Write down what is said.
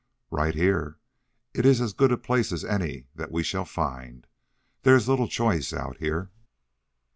"Right here. It is as good a place as any that we shall find. There is little choice out here."